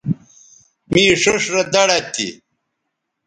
می ݜیئݜ رے دڑد تھی